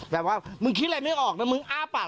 แบบว่ามึงคิดอะไรไม่ออกนะมึงอ้าปาก